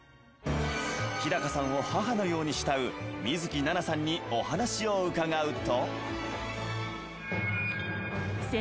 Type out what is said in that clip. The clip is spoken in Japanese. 日さんを母のように慕う水樹奈々さんにお話を伺うと。